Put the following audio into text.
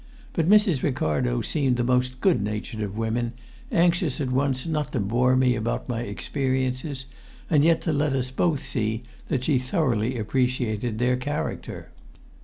But Mrs. Ricardo seemed the most good natured of women, anxious at once not to bore me about my experiences, and yet to let us both see that she thoroughly appreciated their character.